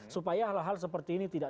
supaya hal hal seperti ini tidak